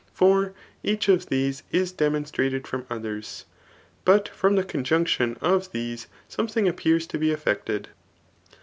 For each of these is demoD strated from others. But from the conjunction of these something appears to be effected.